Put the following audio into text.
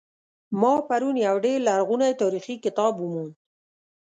ما پرون یو ډیر لرغنۍتاریخي کتاب وموند